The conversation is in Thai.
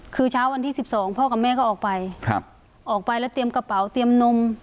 คือเช้าวันที่สิบสองพ่อกับแม่ก็ออกไปออกไปแล้วเตรียมกระเป๋าเตรียมนม